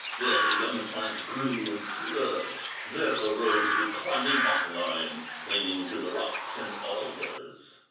There the young plant grew and flourished, There arose the climbing hop vine, Clinging to the rocks and alders.